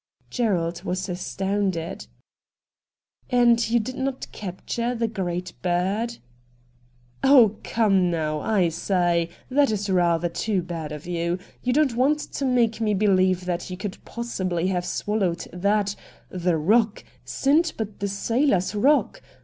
Gerald was astounded. ' And you did not capture the great bird ?'' Oh, come now, I say, that is rather too bad of you. You don't want to make me believe that you could possibly have swal lowed that — the Roc — Sindbad the Sailor's Roc ?